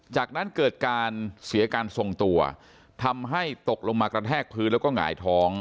จากนั้นเกิดการเสียการทรงตัวทำให้ตกลงมากระแทกพื้นแล้วก็หงายท้อง